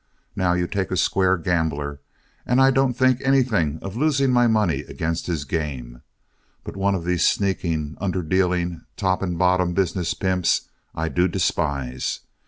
Now, you take a square gambler and I don't think anything of losing my money against his game, but one of these sneaking, under dealing, top and bottom business pimps, I do despise.